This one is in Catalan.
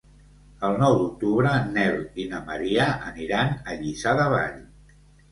El nou d'octubre en Nel i na Maria aniran a Lliçà de Vall.